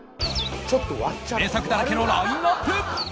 名作だらけのラインアップ